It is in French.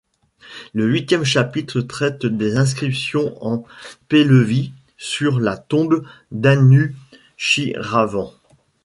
Le huitième chapitre traite des inscriptions en pehlevi sur la tombe d'Anushiravan.